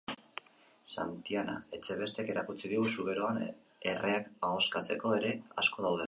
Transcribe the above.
Xantiana Etxebestek erakutsi digu Zuberoan erreak ahoskatzeko era asko daudela.